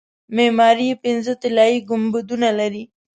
معماري یې پنځه طلایي ګنبدونه لري.